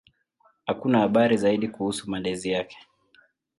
Hakuna habari zaidi kuhusu malezi yake.